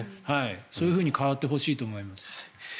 そういうふうに変わってほしいと思います。